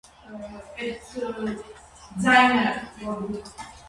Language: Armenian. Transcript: Հանդես է եկել համալսարանի ֆուտբոլի հավաքականի կազմում։